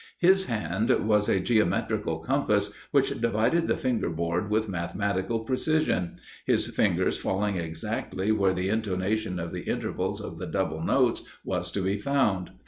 His hand was a geometrical compass which divided the finger board with mathematical precision his fingers falling exactly where the intonation of the intervals of the double notes was to be found.